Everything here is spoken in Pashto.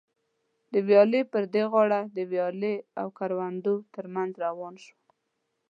د ویالې پر دې غاړه د ویالې او کروندو تر منځ روان شوم.